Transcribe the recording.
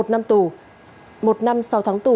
một năm sau tháng tù